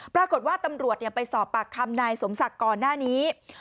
ปรากฏว่าตำรวจไปสอบปากคำนายสมศักดิ์ก่อนหน้านี้